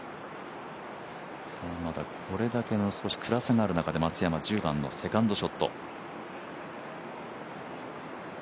まだ、これだけの暗さがあるなかで松山、セカンドショット。